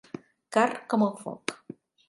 Car com el foc.